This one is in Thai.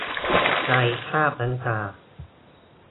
ไร้คราบน้ำตา